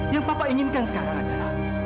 yang papa inginkan sekarang adalah